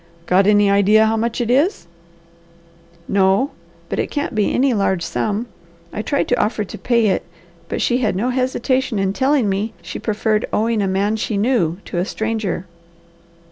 "Got any idea how much it is?" "No, but it can't be any large sum. I tried to offer to pay it, but she had no hesitation in telling me she preferred owing a man she knew to a stranger."